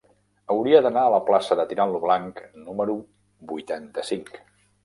Hauria d'anar a la plaça de Tirant lo Blanc número vuitanta-cinc.